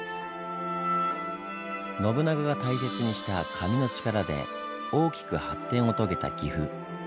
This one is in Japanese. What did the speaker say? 信長が大切にした紙の力で大きく発展を遂げた岐阜。